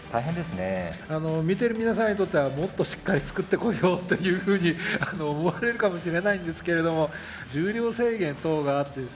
見てる皆さんにとってはもっとしっかり作ってこいよというふうに思われるかもしれないんですけれども重量制限等があってですね